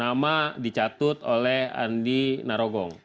nama dicatut oleh andi narogong